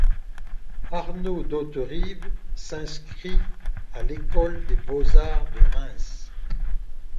Arnaud d’Hauterives s’inscrit à l’École des beaux-arts de Reims.